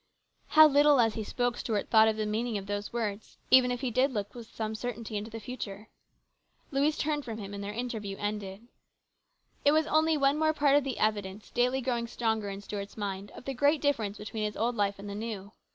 How little, as he spoke, Stuart thought of the meaning of those words, even if he did look with some certainty into the future. Louise turned from him, and their interview ended. It was only one more part of the evidence, daily growing stronger in Stuart's mind, of the great difference between his old life and the new.